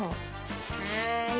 はい。